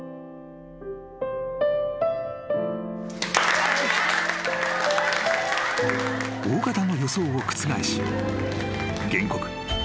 ［大方の予想を覆し原告］